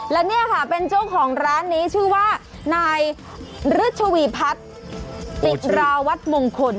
และเนี่ยค่ะเป็นเจ้าของร้านนี้ชื่อว่านายฤชวีพัฒน์ติราวัตรมงคล